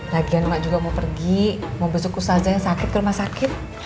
lagian mak juga mau pergi mau besok usah aja yang sakit ke rumah sakit